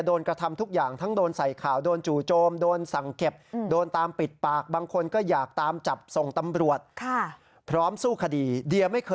โดนตามปิดปากบางคนก็อยากตามจับทรงตำรวจพร้อมสู้คดี